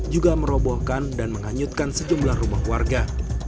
juga merobohkan dan menghanyutkan sejumlah rumah warga